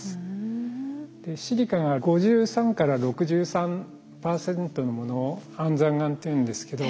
シリカが５３から６３％のものを安山岩というんですけど。